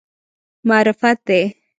معرفت دی.